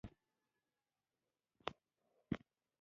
مېلمه ته که څه هم ستړی يې، خو مهرباني وکړه.